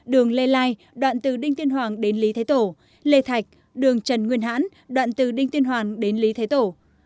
đường lê lai đoạn từ đinh tiên hoàng đến lý thái tổ lê thạch đường trần nguyên hãn đoạn từ đinh tiên hoàng đến lý thái tổ